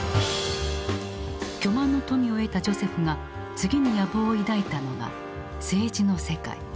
巨万の富を得たジョセフが次に野望を抱いたのが政治の世界。